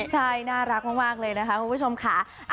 ใช่น่ารักมากเลยนะคะคุณผู้ชมค่ะ